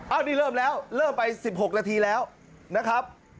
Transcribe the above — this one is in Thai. อันนี้เริ่มแล้วเริ่มไป๑๖นาทีแล้วนะครับ